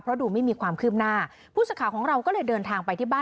เพราะดูไม่มีความคืบหน้าผู้สื่อข่าวของเราก็เลยเดินทางไปที่บ้าน